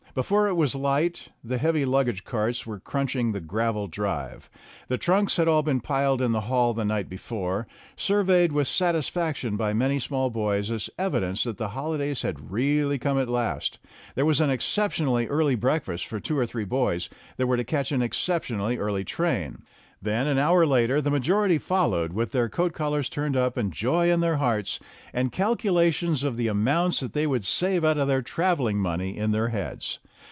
Before it was light the heavy luggage carts were crunching 99 the gravel drive; the trunks had all been piled in the hall the night before, surveyed with satisfaction by many small boys as evidence that the holidays had really come at last. There was an exceptionally early breakfast for two or three boys that were to catch an exceptionally early train. Then, an hour later, the majority followed with their coat collars turned up and joy in their hearts, and calculations of the amounts that they would save out of their travelling money in their heads.